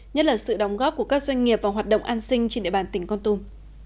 nhất là sự đóng góp của các doanh nghiệp vào hoạt động an sinh trên địa bàn tỉnh con tum